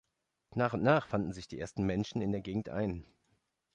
Nach und nach fanden sich die ersten Menschen in der Gegend ein.